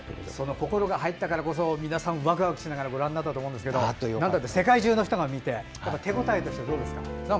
心が入ったからこそ皆さん、ワクワクしながらご覧になったと思うんですけどなんといっても世界中の人が見て手応えはいかがでしたか？